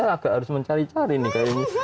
saya agak harus mencari cari nih